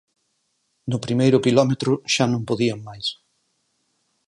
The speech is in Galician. no primeiro quilómetro xa non podían máis.